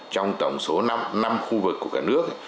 trong tổng số năm khu vực của cả nước